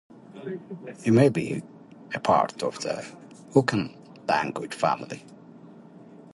It may be a part of the Hokan language family.